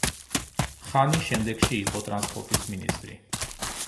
ხანი შემდეგში იყო ტრანსპორტის მინისტრი.